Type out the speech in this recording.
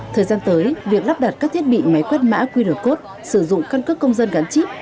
thời gian tới việc lắp đặt các thiết bị máy quét mã quy rửa cốt sử dụng căn cước công dân gắn chip